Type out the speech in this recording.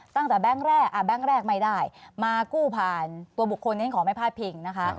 แบงค์แรกแบงค์แรกไม่ได้มากู้ผ่านตัวบุคคลนั้นขอไม่พาดพิงนะคะ